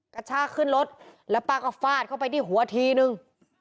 กระชากขึ้นรถแล้วป้าก็ฟาดเข้าไปที่หัวทีนึง